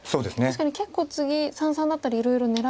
確かに結構次三々だったりいろいろ狙いがありそうな。